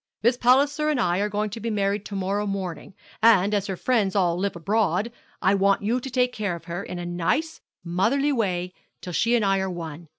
'Miss Palliser and I are going to be married to morrow morning; and, as her friends all live abroad, I want you to take care of her, in a nice, motherly way, till she and I are one.